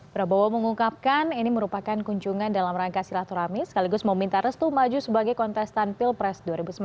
prabowo mengungkapkan ini merupakan kunjungan dalam rangka silaturahmi sekaligus meminta restu maju sebagai kontestan pilpres dua ribu sembilan belas